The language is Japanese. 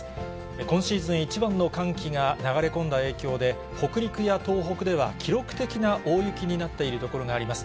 今シーズン一番の寒気が流れ込んだ影響で、北陸や東北では記録的な大雪になっている所があります。